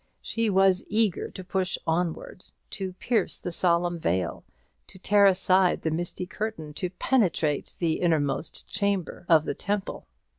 She was eager to push onward, to pierce the solemn veil, to tear aside the misty curtain, to penetrate the innermost chamber of the temple.